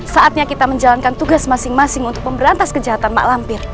saatnya kita menjalankan tugas masing masing untuk memberantas kejahatan mak lampir